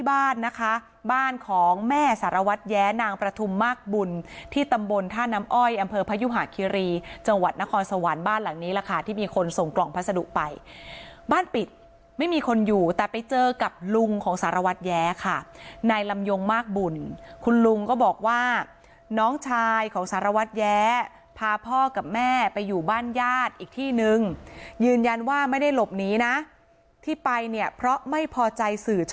บ้านนะคะบ้านของแม่สารวัสแย้นางประธุมมากบุลที่ตำบลท่าน้ำอ้อยอำเภอพยุหาคิรีจังหวัดนครสวรรค์บ้านหลังนี้ล่ะค่ะที่มีคนส่งกล่องพัสดุไปบ้านปิดไม่มีคนอยู่แต่ไปเจอกับลุงของสารวัสแย้ค่ะในลำยงมากบุลคุณลุงก็บอกว่าน้องชายของสารวัสแย้พาพ่อกับแม่ไปอยู่บ้านญาติอีกที่นึงยืนยันว่า